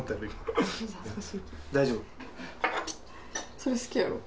それ好きやろ？